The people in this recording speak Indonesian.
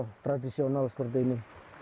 oh tradisional seperti ini